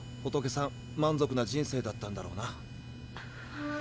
仏さん満足な人生だったんだろうな。